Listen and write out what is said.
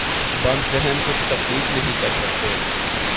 بند ذہن کچھ تخلیق نہیں کر سکتے۔